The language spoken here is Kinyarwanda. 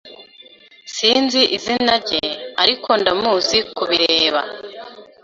Sinzi izina rye, ariko ndamuzi kubireba.